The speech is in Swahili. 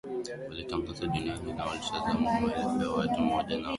Ulitangazwa duniani na ulitazamwa na maelfu ya watu moja kwa moja